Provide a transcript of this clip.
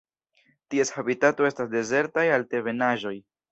Ties habitato estas dezertaj altebenaĵoj.